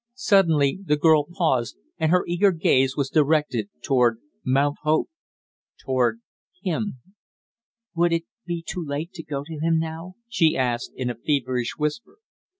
Suddenly the girl paused, and her eager gaze was directed toward Mount Hope toward him. "Would it be too late to go to him now?" she asked in a feverish whisper.